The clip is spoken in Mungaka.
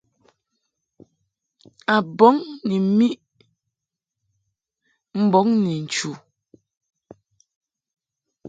A bɔŋ ni miʼ mbɔŋ ni nchu.